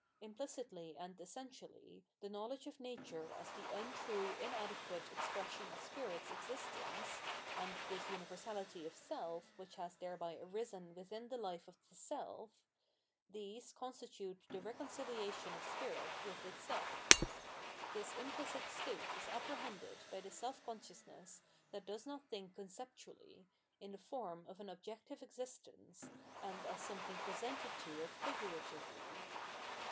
Imphcitly and essentially, the knowledge of nature as the untrue inadequate ex pression of spirit's existence, and this universality of self which has thereby arisen within the hfe of the self — these constitute the reconciliation of spirit with itself. This implicit state is apprehended by the self conscious ness that does not think conceptually, in the form of an objective existence, and as something presented to it figuratively.